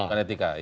bukan etika ya